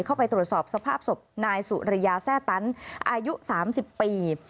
เข้าไปตรวจสอบสภาพศพนายสุริยาแซ่ตันอายุ๓๐ปี